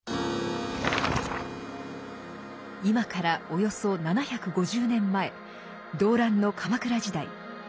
今からおよそ７５０年前動乱の鎌倉時代。